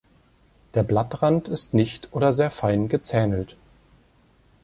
Der Blattrand ist nicht oder sehr fein gezähnelt.